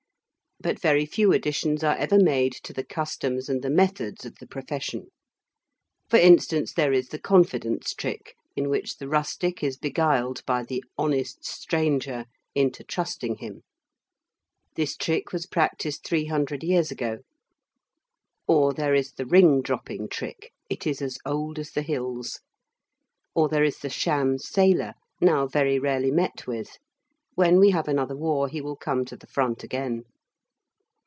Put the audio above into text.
But very few additions are ever made to the customs and the methods of the profession. For instance, there is the confidence trick, in which the rustic is beguiled by the honest stranger into trusting him. This trick was practised three hundred years ago. Or there is the ring dropping trick, it is as old as the hills. Or there is the sham sailor now very rarely met with. When we have another war he will come to the front again.